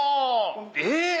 えっ⁉